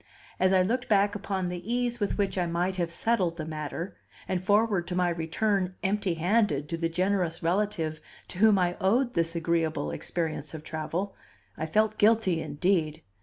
As I looked back upon the ease with which I might have settled the matter, and forward to my return empty handed to the generous relative to whom I owed this agreeable experience of travel, I felt guilty indeed.